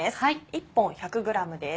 １本１００ｇです。